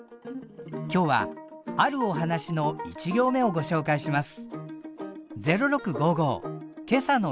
今日はあるお話の１行目をご紹介します。